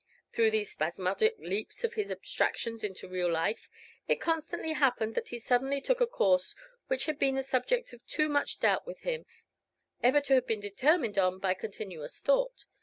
Through these spasmodic leaps out of his abstractions into real life, it constantly happened that he suddenly took a course which had been the subject of too much doubt with him ever to have been determined on by continuous thought.